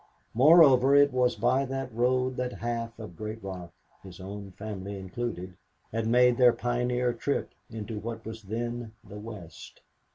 Moreover, it was by that road that half of Great Rock, his own family included, had made their pioneer trip into what was then the West.